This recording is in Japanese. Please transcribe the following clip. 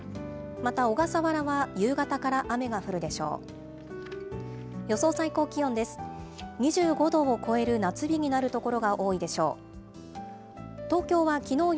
また小笠原は夕方から雨が降るでしょう。